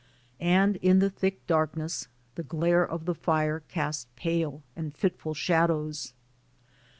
And in the thick darkness the glare of the fire cast pale and fitful shadows.